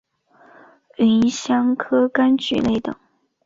芸香科柑橘类等。